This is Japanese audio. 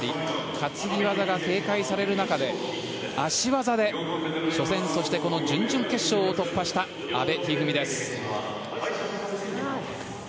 担ぎ技が警戒される中で足技で初戦そしてこの準々決勝を突破した阿部一二三です。